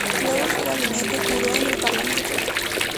Luego su gabinete juró en el Parlamento.